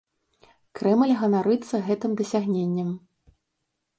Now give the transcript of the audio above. Крэмль ганарыцца гэтым дасягненнем.